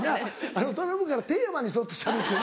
頼むからテーマに沿ってしゃべってね。